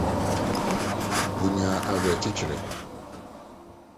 onyaa awerɛkyekye.